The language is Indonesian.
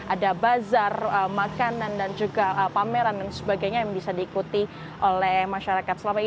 ada bazar makanan dan juga pameran dan sebagainya yang bisa diikuti oleh masyarakat selama ini